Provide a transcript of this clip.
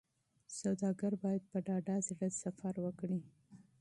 سوداګر باید په ډاډه زړه سفر وکړي.